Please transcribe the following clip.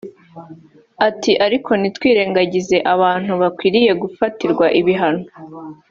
Ati “Ariko ntitwirengagize ko abantu bakwiriye gufatirwa ibihano